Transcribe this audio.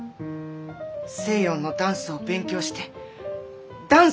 西洋のダンスを勉強してダンサーになる。